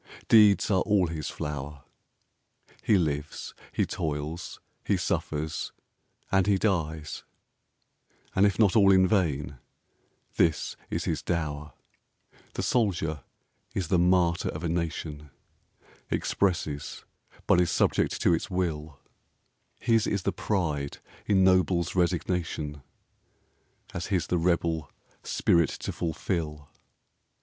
Deeds are all his flower. He lives, he toils, he suffers, and he dies, And if not all in vain this is his dower: The Soldier is the Martyr of a nation, Expresses but is subject to its will; His is the Pride ennobles Resignation, As his the rebel Spirit to fulfil.